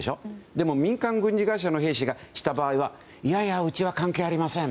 でも民間軍事会社の兵士がした場合はいやいやうちは関係ありません。